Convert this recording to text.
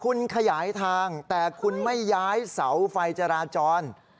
คุณขยายทางแต่คุณไม่ย้ายเสาไฟจราจร